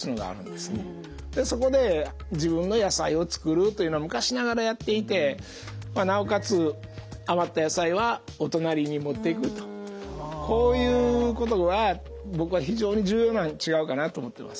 そこで自分の野菜を作るっていうのは昔ながらやっていてなおかつ余った野菜はお隣に持っていくとこういうことは僕は非常に重要なん違うかなと思ってます。